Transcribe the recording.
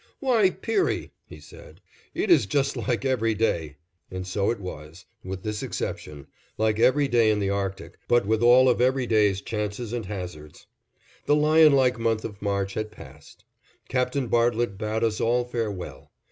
"Why, Peary," he said, "it is just like every day," and so it was, with this exception, like every day in the Arctic, but with all of every day's chances and hazards. The lion like month of March had passed. Captain Bartlett bade us all farewell.